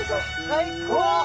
最高！